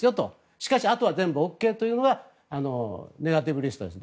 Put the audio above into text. しかしあとはＯＫというのがネガティブリストです。